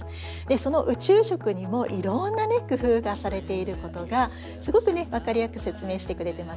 その宇宙食にもいろんな工夫がされていることがすごく分かりやすく説明してくれてますよね。